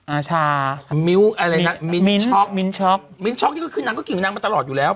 อาชาอะไรน่ะมิ้นช็อคมิ้นช็อคมิ้นช็อคนี่ก็คือนางก็กินอยู่นางมาตลอดอยู่แล้ว